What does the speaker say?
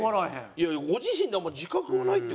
いやいやご自身ではあんまり自覚がないって事？